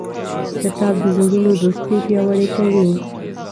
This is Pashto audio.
کتاب د زړونو دوستي پیاوړې کوي.